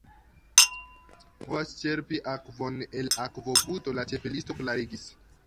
"Oni povas ĉerpi akvon el akvoputo," la Ĉapelisto klarigis.